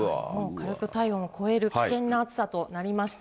軽く体温を超える危険な暑さとなりました。